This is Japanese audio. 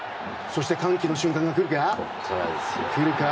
そして、歓喜の瞬間が来るか？